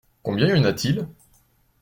Combien y en a-t-il ?